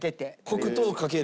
黒糖をかける。